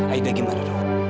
aida gimana dulu